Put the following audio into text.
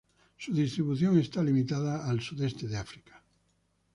Su distribución está limitada al sudeste de África.